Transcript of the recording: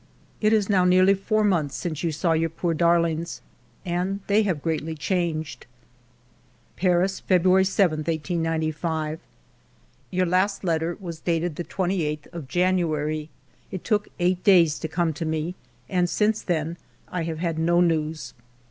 " It is now nearly four months since you saw your poor darlings, and they have greatly changed." Paris, February 7, 1895. "Your last letter was dated the 28th of Jan uary. It took eight days to come to me, and since then I have had no news.